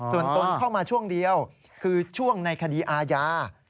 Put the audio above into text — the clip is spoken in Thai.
ส่วนตนเข้ามาช่วงเดียวคือช่วงในคดีอาญา